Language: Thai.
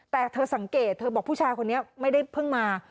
แต่เธอสังเกตเธอบอกผู้ชายคนนี้ไม่ได้เพิ่งมา